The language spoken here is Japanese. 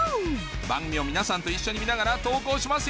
番組を皆さんと一緒に見ながら投稿しますよ